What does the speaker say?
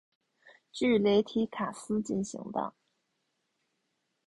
据雷提卡斯进行的。